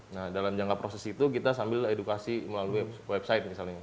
nah dalam jangka proses itu kita sambil edukasi melalui website misalnya